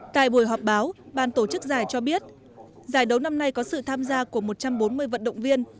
tại buổi họp báo ban tổ chức giải cho biết giải đấu năm nay có sự tham gia của một trăm bốn mươi vận động viên